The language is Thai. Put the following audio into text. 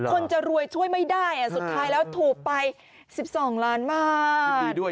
คนจะรวยช่วยไม่ได้สุดท้ายแล้วถูกไป๑๒ล้านบาท